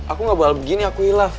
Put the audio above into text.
aku enggak bahal begini aku hilaf